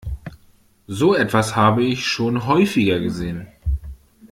So etwas habe ich schon häufiger gesehen.